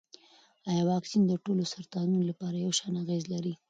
ایا واکسین د ټولو سرطانونو لپاره یو شان اغېز لري؟